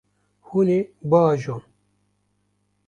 Hûn ê biajon.